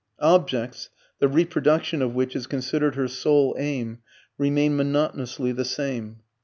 Objects, the reproduction of which is considered her sole aim, remain monotonously the same.